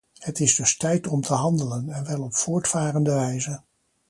Het is dus tijd om te handelen, en wel op voortvarende wijze.